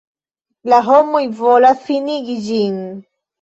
La homoj volas finigi ĝin.